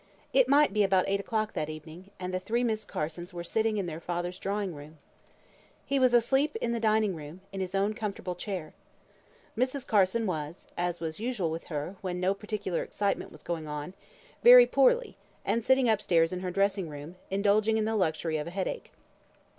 It might be about eight o'clock that evening, and the three Miss Carsons were sitting in their father's drawing room. He was asleep in the dining room, in his own comfortable chair. Mrs. Carson was (as was usual with her, when no particular excitement was going on) very poorly, and sitting up stairs in her dressing room, indulging in the luxury of a head ache.